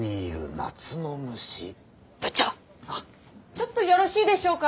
ちょっとよろしいでしょうか？